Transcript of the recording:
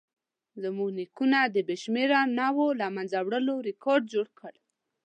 زموږ نیکونو د بې شمېره نوعو له منځه وړلو ریکارډ جوړ کړ.